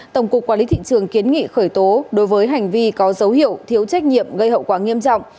tổng cục quản lý thị trường kiến nghị khởi tố đối với hành vi có dấu hiệu thiếu trách nhiệm gây hậu quả nghiêm trọng